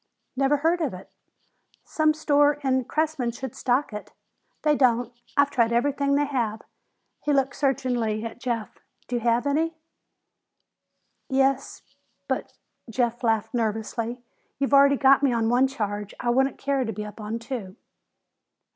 "Never heard of it." "Some store in Cressman should stock it." "They don't. I've tried everything they have." He looked searchingly at Jeff. "Do you have any?" "Yes but," Jeff laughed nervously, "you've already got me on one charge. I wouldn't care to be up on two."